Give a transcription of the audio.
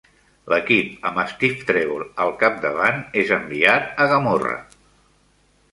L'equip, amb Steve Trevor al capdavant, és enviat a Gamorra.